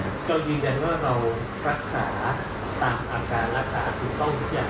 จริงว่าเรารักษาตามอาการรักษาถึงต้องวิทยาละครับ